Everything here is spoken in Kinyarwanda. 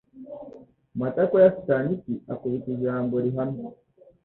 Amatako ye ashushanya isi, akubita Ijambo rihamye